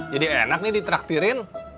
jadi enak nih ditraktirin